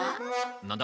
何だ？